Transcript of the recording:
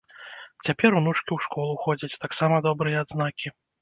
Цяпер унучкі ў школу ходзяць, таксама добрыя адзнакі.